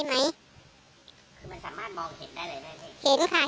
คือมันสามารถมองเห็นได้เลยไหม